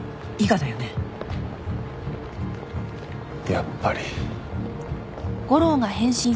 やっぱり。